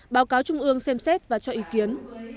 báo cáo trung ương xem xét và cho ý kiến